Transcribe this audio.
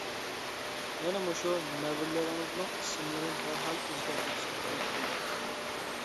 يەنە مۇشۇ نەۋرىلىرىڭىزنىڭ ئىسىملىرىنى دەرھال ئۆزگەرتىۋېتىشنى تەلەپ قىلدى.